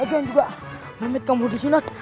aduh anjga memet kamu disunat